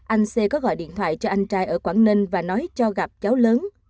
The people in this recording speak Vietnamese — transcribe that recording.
anh xê có gọi điện thoại cho anh trai ở quảng ninh và nói cho gặp cháu lớn